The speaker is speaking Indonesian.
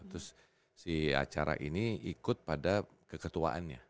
terus si acara ini ikut pada keketuaannya